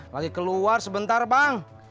lagi keluar sebentar bang